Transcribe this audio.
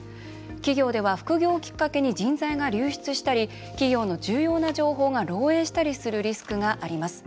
企業では副業をきっかけに人材が流出したり、企業の重要な情報が漏えいしたりするリスクがあります。